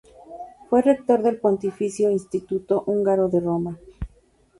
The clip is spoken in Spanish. Fue rector del Pontificio Instituto Húngaro de Roma.